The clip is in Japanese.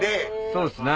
そうですね。